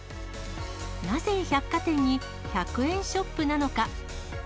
なぜ百貨店に１００円ショップなのか。